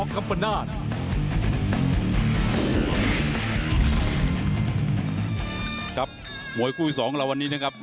ครับมวยคู่ที่สองเราวันนี้นะครับ